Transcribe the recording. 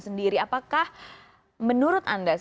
sendiri apakah menurut anda